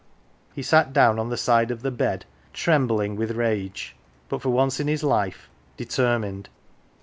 He sat down on the side of the bed, trembling with rage, but, for once in his life, determined.